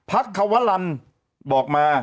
พักความว่ารันบอกมา